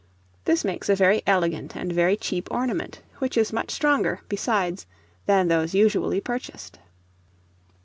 This makes a very elegant and very cheap ornament, which is much stronger, besides, than those usually purchased.